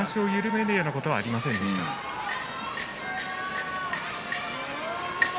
まわしを緩めるようなことはありませんでした。